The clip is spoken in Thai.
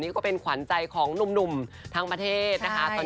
ก็เป็นขวัญใจของนุ่มทางประเทศ